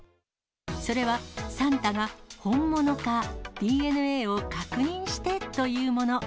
それはサンタが本物かＤＮＡを確認してというもの。